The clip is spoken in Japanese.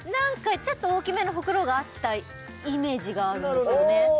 ちょっと大きめのホクロがあったイメージがあるんですよね